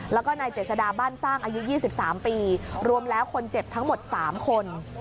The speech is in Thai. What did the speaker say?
แล้วก็นายเจษฎาบ้านสร้างอายุ๒๓ปีรวมแล้วคนเจ็บทั้งหมด๓คน